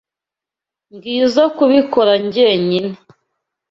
Ngizoe kubikora njyenyine.